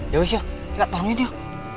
yaudah yuk kita tolongin yuk